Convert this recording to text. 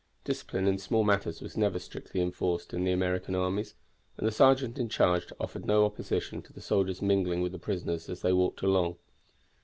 Discipline in small matters was never strictly enforced in the American armies, and the sergeant in charge offered no opposition to the soldiers mingling with the prisoners as they walked along.